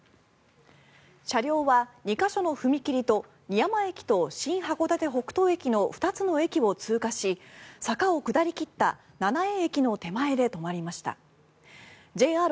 車両は２か所の踏切と新函館北斗駅の２つの駅を通過し坂を下り切った駅の手前で止まりました。